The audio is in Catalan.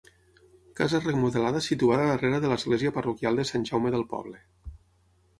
Casa remodelada situada darrere de l'església parroquial de Sant Jaume del poble.